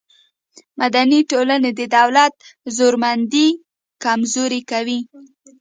مدني ټولنې د دولت زورمندي کمزورې کوي.